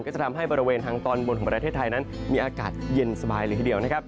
ก็จะทำให้บริเวณทางตอนบนของประเทศไทยนั้นมีอากาศเย็นสบายเลยทีเดียวนะครับ